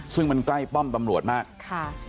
ซึ่งมันใกล้ป้อมตำรวจมากค่ะ